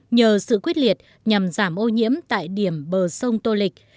nhờ sự quyết liệt nhằm giảm ô nhiễm tại điểm bờ sông tô lịch